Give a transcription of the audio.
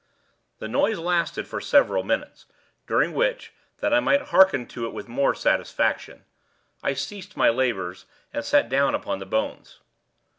The noise lasted for several minutes, during which, that I might hearken to it with the more satisfaction, I ceased my labors and sat down upon the bones.